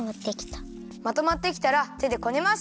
まとまってきたらてでこねます。